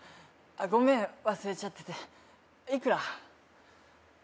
あっごめん忘れちゃってていくら？